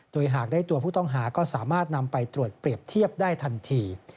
โดยหากได้ตัวผู้ต้องหาก็สามารถนำไปตรวจเปรียบเทียบได้ทันที